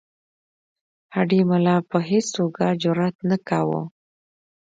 هډې ملا په هیڅ توګه جرأت نه کاوه.